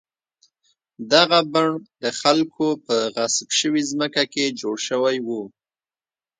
دغه بڼ د خلکو په غصب شوې ځمکه کې جوړ شوی و.